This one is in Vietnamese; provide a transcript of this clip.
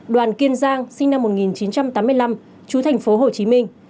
đoàn kiên giang sinh năm một nghìn chín trăm tám mươi năm chú thành phố hồ chí minh